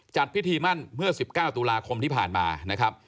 จัดพิธีมั่นเมื่อ๑๙ตุลาคมที่ผ่านมานะครับ